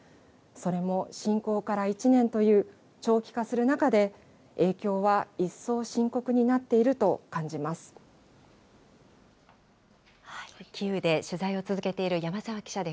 それも侵攻から１年という長期化する中で、影響は一層深刻になっキーウで取材を続けている山